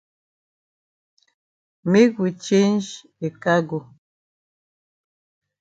Make we change de cargo.